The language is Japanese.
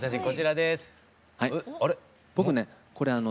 こちらですあれ？